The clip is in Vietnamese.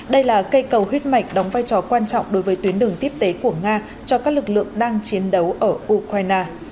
đây là cây cầu huyết mạch đóng vai trò quan trọng đối với tuyến đường tiếp tế của nga cho các lực lượng đang chiến đấu ở ukraine